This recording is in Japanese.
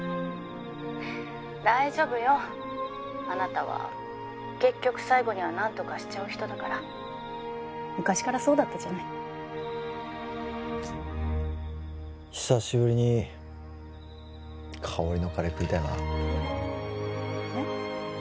☎大丈夫よあなたは☎結局最後には何とかしちゃう人だから昔からそうだったじゃない久しぶりに香織のカレー食いたいなえっ？